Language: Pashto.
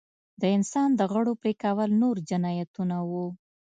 د انسان د غړو پرې کول نور جنایتونه وو.